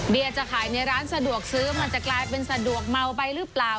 จะขายในร้านสะดวกซื้อมันจะกลายเป็นสะดวกเมาไปหรือเปล่า